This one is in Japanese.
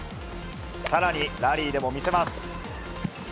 さらにラリーでも魅せます。